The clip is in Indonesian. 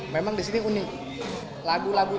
memang di sini unik